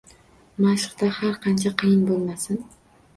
Mashqda har qancha qiyin bo’lmasin